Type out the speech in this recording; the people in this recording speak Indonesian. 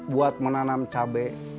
buat menanam cabai